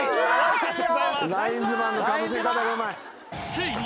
［ついに］